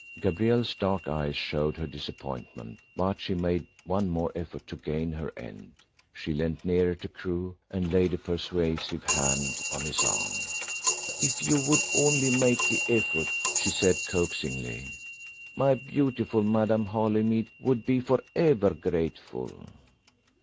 Gabrielle's dark eyes showed her disappointment, but she made one more effort to gain her end. She leant nearer to Crewe, and laid a persuasive hand on his arm. "If you would only make the effort," she said coaxingly, "my beautiful Madame Holymead would be for ever grateful."